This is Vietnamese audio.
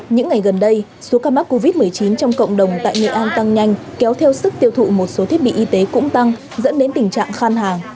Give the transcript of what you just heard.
những ngày gần đây số ca mắc covid một mươi chín trong cộng đồng tại nghệ an tăng nhanh